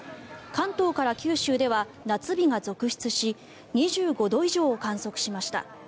関東から九州では夏日が続出し２５度以上を観測しました。